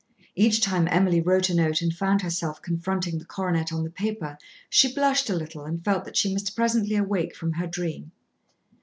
(Each time Emily wrote a note and found herself confronting the coronet on the paper, she blushed a little and felt that she must presently awake from her dream.)